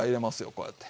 こうやって。